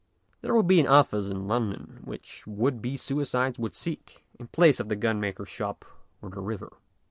There would be an office in London which would be suicides would seek in place of the gun maker's shop or the river.